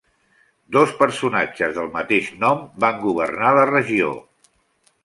Dos personatges del mateix nom van governar la regió.